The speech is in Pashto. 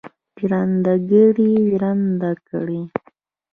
ژرندهګړی ژرنده کړي.